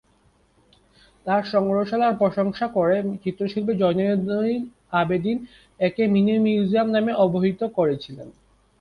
তার সংগ্রহশালার প্রশংসা করে চিত্রশিল্পী জয়নুল আবেদিন একে ‘মিনি মিউজিয়াম’ নামে অবহিত করেছিলেন।